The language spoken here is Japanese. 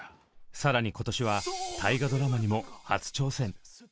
更に今年は大河ドラマにも初挑戦。